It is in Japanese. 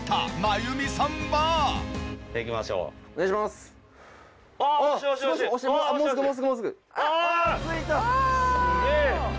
すげえ！